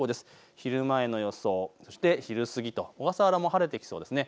昼前の予想、そして昼過ぎと小笠原も晴れてきそうですね。